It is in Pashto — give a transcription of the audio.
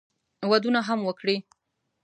ودونه هم وکړي.